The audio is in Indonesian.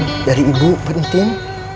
ada pesan dari ibu buatin tin